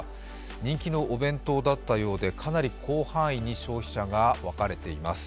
人気のお弁当だったようでかなり広範囲に消費者が分かれています。